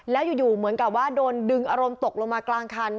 แล้วอยู่เหมือนกับว่าโดนดึงอารมณ์ตกลงมากลางคัน